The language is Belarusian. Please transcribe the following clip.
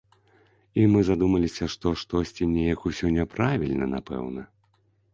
І мы задумаліся, што штосьці неяк усё няправільна, напэўна.